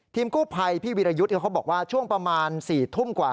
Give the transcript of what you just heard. กู้ภัยพี่วิรยุทธ์เขาบอกว่าช่วงประมาณ๔ทุ่มกว่า